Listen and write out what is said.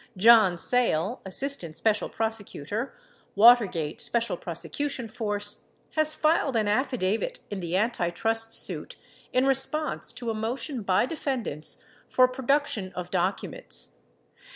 Jon Sale, Assistant Special Prosecutor, Watergate Special Prosecution Force, has filed an affidavit in the antitrust suit in response to a motion by defendants for production of documents.